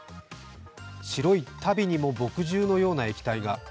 白い足袋にも墨汁のような液体が。